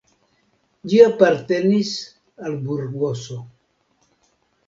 Ĝi apartenis al Burgoso.